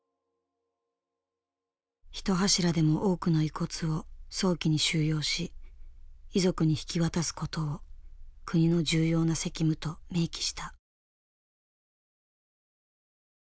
一柱でも多くの遺骨を早期に収容し遺族に引き渡すことを国の重要な責務と明記した。